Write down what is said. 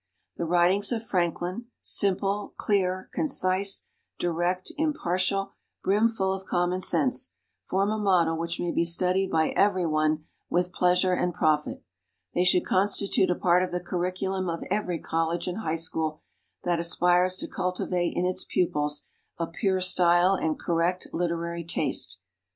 The writings of Franklin simple, clear, concise, direct, impartial, brimful of commonsense form a model which may be studied by every one with pleasure and profit. They should constitute a part of the curriculum of every college and high school that aspires to cultivate in its pupils a pure style and correct literary taste.